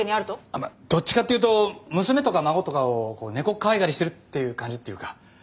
あっまあどっちかっていうと娘とか孫とかをこう猫っかわいがりしてるっていう感じっていうか。